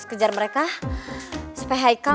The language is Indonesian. kejar mereka supaya haikal